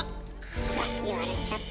うわっ言われちゃった。